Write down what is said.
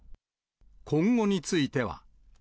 今後については。